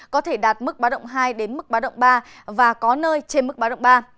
có thể đạt mức bá động hai đến mức bá động ba và có nơi trên mức bá động ba